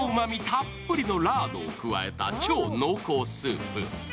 たっぷりのラードを加えた超濃厚スープ。